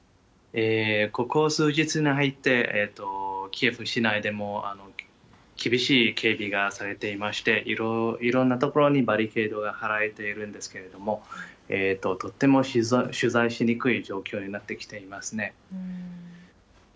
ここ数日に入って、キエフ市内でも厳しい警備がされていまして、いろいろな所にバリケードが張られているんですけれども、とっても取材しにくい状況になってきていますね。